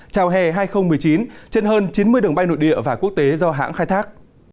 chào hè hai nghìn một mươi chín trên hơn chín mươi đường bay nội địa và quốc tế do hãng khai thác